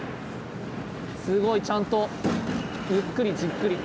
すごいちゃんとゆっくりじっくり。